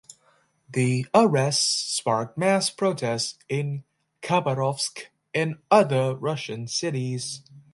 The arrest sparked mass protests in Khabarovsk and other Russian cities.